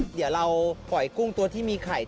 เดี๋ยวเราปล่อยกุ้งตัวที่มีไข่